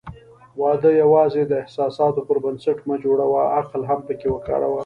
واده یوازې د احساساتو پر بنسټ مه جوړوه، عقل هم پکې وکاروه.